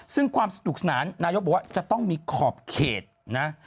ซึ่งความสนุกสนานนายกบอกว่าจะต้องมีขอบเขตนะ